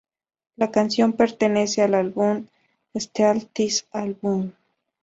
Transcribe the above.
La canción pertenece al álbum Steal This Album!